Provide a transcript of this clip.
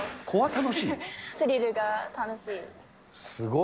スリルが楽しい。